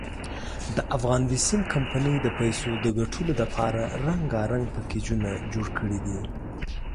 دافغان بېسیم کمپنۍ د پیسو دګټلو ډپاره رنګارنګ پېکېجونه جوړ کړي دي.